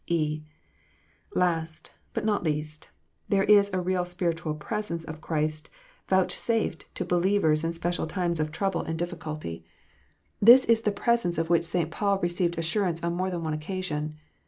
(?) Last, but not least, there is a real spiritual " presence " of Christ vouchsafed to believers in special times of trouble and 200 KNOTS UNTIED. difficulty. This is the presence of which St. Paul received assurance on more than one occasion.